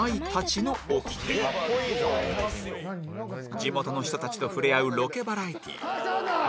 地元の人たちと触れ合うロケバラエティー